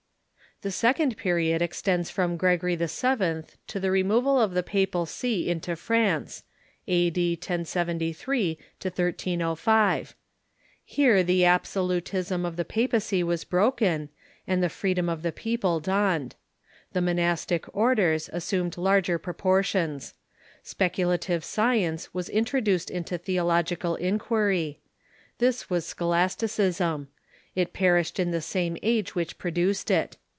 The second period extends from Gregory VII. to the re moval of the papal see into France — a.d. 1073 1305. Here the absolutism of the papacy was broken, and the freedom of the people dawned. The monastic orders assumed larger proportions. Sjieculative science was introduced into theo logical inquir}^ This was Scholasticism. It perished in the same age which produced it.